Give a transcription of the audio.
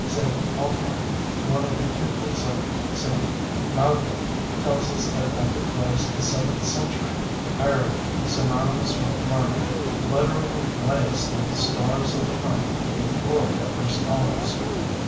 St. Aldhelm, one of the pupils of St. Maeldubh, tells us that at the close of the seventh century, "Ireland, synonymous with learning, literally blazed like the stars of the firmament with the glory of her scholars."